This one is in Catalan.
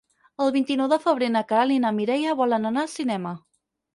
El vint-i-nou de febrer na Queralt i na Mireia volen anar al cinema.